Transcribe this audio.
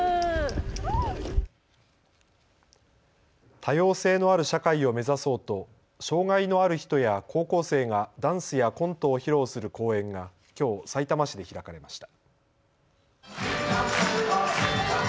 多様性のある社会を目指そうと障害のある人や高校生がダンスやコントを披露する公演がきょう、さいたま市で開かれました。